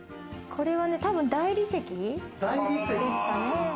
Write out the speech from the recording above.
これは多分、大理石ですかね。